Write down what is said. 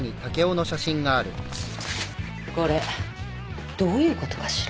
これどういうことかしら？